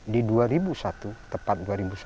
di dua ribu satu tepat dua ribu sebelas